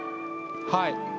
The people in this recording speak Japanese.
はい。